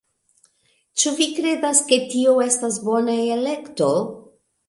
Ĉu vi kredas, ke tio estas bona elekto